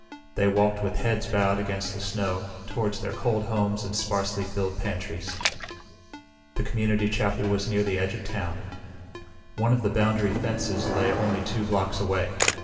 They walked with heads bowed against the snow toward their cold homes and sparsely filled pantries. The community chapel was near the edge of town. One of the boundary fences lay only two blocks away.